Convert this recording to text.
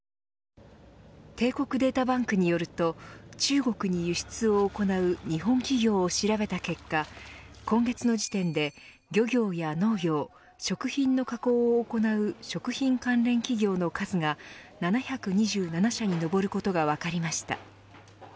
帝国データバンクによると中国に輸出を行う日本企業を調べた結果今月の時点で漁業や農業、食品の加工を行う食品関連企業の数が７２７社に上ることが分かりました。